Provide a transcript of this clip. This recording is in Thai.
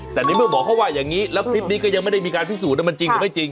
แต่ในเมื่อหมอเขาว่าอย่างนี้แล้วคลิปนี้ก็ยังไม่ได้มีการพิสูจน์ว่ามันจริงหรือไม่จริง